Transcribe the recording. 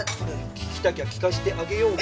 聞きたきゃ聞かせてあげようか？